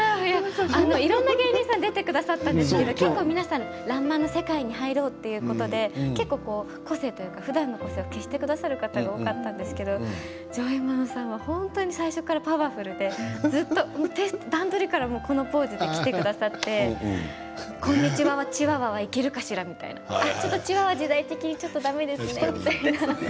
いろんな芸人さんが出てくださったんですけど皆さん態度で「らんまん」の世界に入ろうということで個性やふだんの個性を消してくださる方が多かったんですけどジョイマンさんは本当に最初からパワフルでずっと段取りからこのポーズで来てくださってこんにちはチワワいけるかしらちょっと時代的にだめですねって。